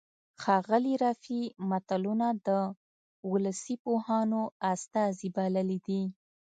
ښاغلي رفیع متلونه د ولسي پوهانو استازي بللي دي